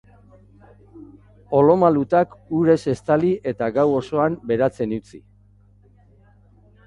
Olo malutak urez estali eta gau osoan beratzen utzi.